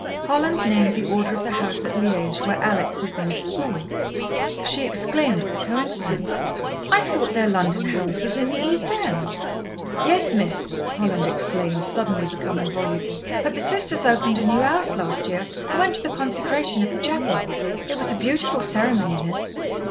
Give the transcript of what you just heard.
Holland named the Order of the house at Liège where Alex had been at school. She exclaimed at the coincidence. "I thought their London house was in the East End." "Yes, Miss," Holland explained, becoming suddenly voluble. "But the Sisters opened a new house last year. I went to the consecration of the chapel. It was a beautiful ceremony, Miss."